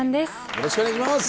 よろしくお願いします。